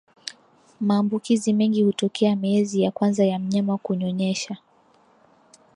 Maambukizi mengi hutokea miezi ya kwanza ya mnyama kunyonyesha